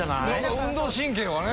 運動神経はね。